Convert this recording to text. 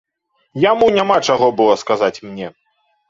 Яму няма чаго было сказаць мне.